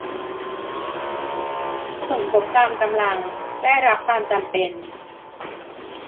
สมทบตามกำลัง ได้รับตามจำเป็น